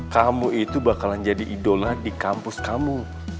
kamu itu bakalan jadi idola di kampus kamu